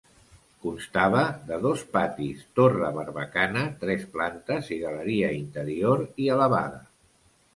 Constava de dos patis, torre barbacana, tres plantes i galeria interior i elevada.